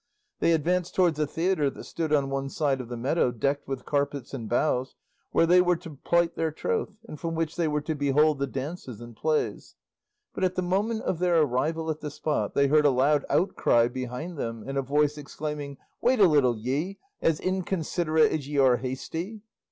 They advanced towards a theatre that stood on one side of the meadow decked with carpets and boughs, where they were to plight their troth, and from which they were to behold the dances and plays; but at the moment of their arrival at the spot they heard a loud outcry behind them, and a voice exclaiming, "Wait a little, ye, as inconsiderate as ye are hasty!"